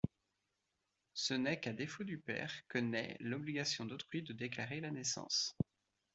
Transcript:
Ce n'est qu'à défaut du père que naît l'obligation d'autrui de déclarer la naissance.